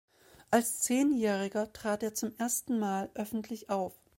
Als Zehnjähriger trat er zum ersten Mal öffentlich auf.